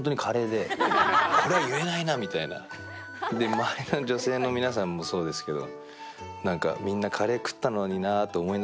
周りの女性の皆さんもそうですけど。